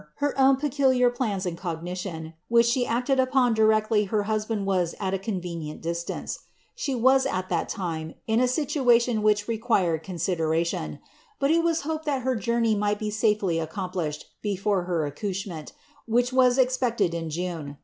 her own peculiar plans in cogitation, which she acted upon directly ha husband was at a convenient distance. She was, at that time, in a situa tion which required consideration; bul il was lioped that her jounifv nii^ht be safely accomplished before her accouchement, which was ei pected in June.